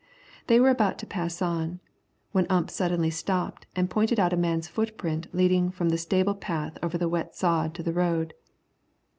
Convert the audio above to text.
They were about to pass on, when Ump suddenly stopped and pointed out a man's footprints leading from the stable path over the wet sod to the road.